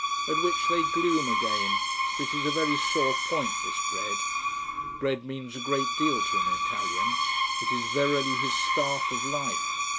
At which they gloom again. For it is a very sore point, this bread. Bread means a great deal to an Italian: it is verily his staff of life.